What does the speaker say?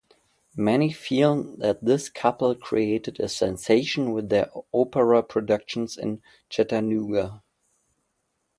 Many feel that this couple created a sensation with their opera productions in Chattanooga.